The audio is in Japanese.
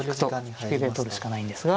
引きで取るしかないんですが。